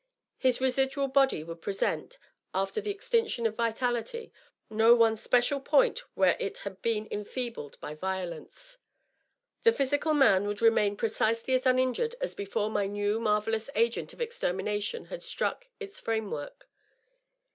His residual body would present, after the extinction of vitality, no one special point where it had been enfeebled by violence. The physical man would remain precisely as uninjured as before my new, marvellous agent of extermination had struck its frame work.